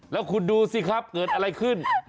แล้วคุณดูสิครับเกิดอะไรขึ้น